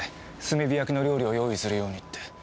炭火焼きの料理を用意するようにって。